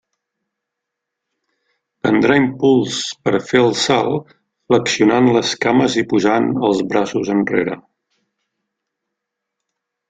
Prendrà impuls per fer el salt flexionant les cames i posant els braços enrere.